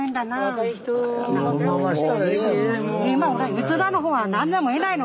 うちらの方は何人もいないの。